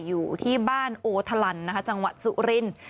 อยู่ที่บ้านโอทะลันนะคะจังหวัดสุรินทร์